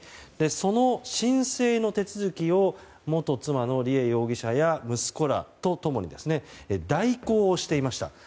その申請の手続きを元妻の梨恵容疑者や息子らと共に代行をしていました。